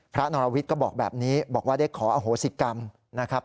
นรวิทย์ก็บอกแบบนี้บอกว่าได้ขออโหสิกรรมนะครับ